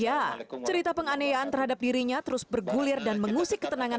ya cerita penganiayaan terhadap dirinya terus bergulir dan mengusik ketenangan